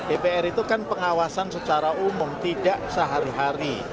dpr itu kan pengawasan secara umum tidak sehari hari